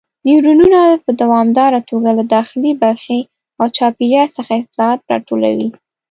نیورونونه په دوامداره توګه له داخلي برخې او چاپیریال څخه اطلاعات راټولوي.